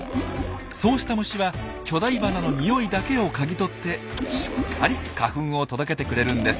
そうした虫は巨大花の匂いだけを嗅ぎ取ってしっかり花粉を届けてくれるんです。